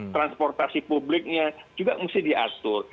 transportasi publiknya juga mesti diatur